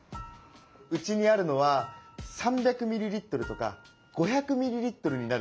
うちにあるのは３００ミリリットルとか５００ミリリットルになるんですよ。